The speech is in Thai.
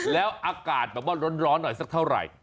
แล้วอากาศแบบว่าร้อนหน่อยสักเท่าไหร่